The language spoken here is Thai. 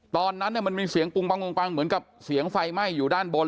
ตอนนั้นมันมีเสียงปุงปังเหมือนกับเสียงไฟไหม้อยู่ด้านบน